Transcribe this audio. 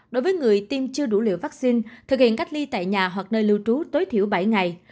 đối với người tiêm chưa đủ liều vaccine thực hiện cách ly tại nhà hoặc nơi lưu trú tối thiểu bảy ngày